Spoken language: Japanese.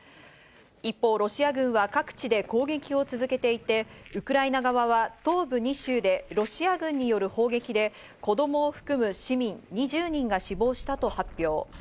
一方、ロシア軍は各地で攻撃を続けていて、ウクライナ側は東部２州でロシア軍による砲撃で子供を含む市民２０人が死亡したと発表。